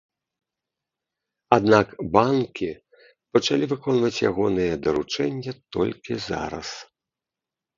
Аднак банкі пачалі выконваць ягонае даручэнне толькі зараз.